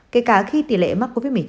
kể cả khi tỷ lệ mắc covid một mươi chín